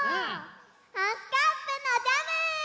ハスカップのジャム！